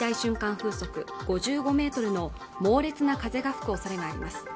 風速５５メートルの猛烈な風が吹くおそれがあります